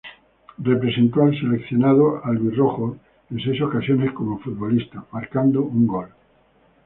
Representó al seleccionado "albirrojo" en seis ocasiones como futbolista, marcando un gol.